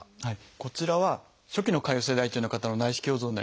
こちらは初期の潰瘍性大腸炎の方の内視鏡像になります。